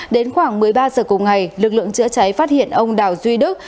đến khoảng một mươi ba giờ cùng ngày lực lượng chữa cháy phát hiện ông đào duy đức